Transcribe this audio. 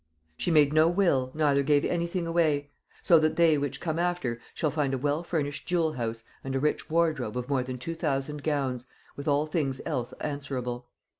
She made no will, neither gave any thing away; so that they which come after shall find a well furnished jewel house and a rich wardrobe of more than two thousand gowns, with all things else answerable."